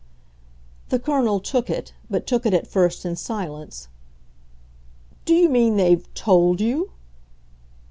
The Colonel took it but took it at first in silence. "Do you mean they've TOLD you